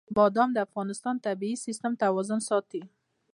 بادام د افغانستان د طبعي سیسټم توازن ساتي.